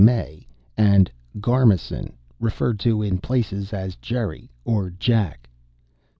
May," and "Garmison," referred to in places as "Jerry" or "Jack."